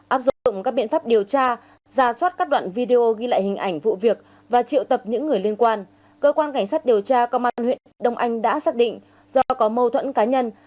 áp dụng các biện pháp điều tra ra soát các đoạn video ghi lại hình ảnh vụ việc và triệu tập những người liên quan cơ quan cảnh sát điều tra công an huyện đông anh đã xác định do có mâu thuẫn cá nhân